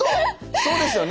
そうですよね。